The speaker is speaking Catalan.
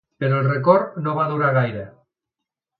Però el rècord no va durar gaire.